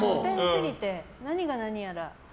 何が何やら。